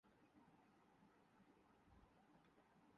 Cincinnati open tennis کا title Switzerland کے Roger Federer نے جیت لیا